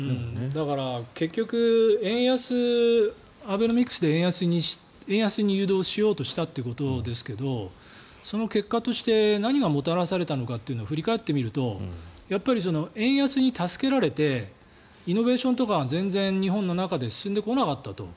だから、結局アベノミクスで円安に誘導しようとしたということですがその結果として何がもたらされたのかというのを振り返ってみると円安に助けられてイノベーションとかが全然、日本の中で進んでこなかったと。